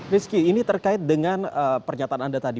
rizky ini terkait dengan pernyataan anda tadi